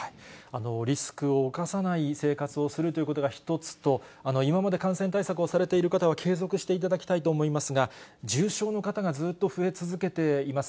リスクを冒さない生活をするということが一つと、今まで感染対策をされている方は、継続していただきたいと思いますが、重症の方がずっと増え続けています。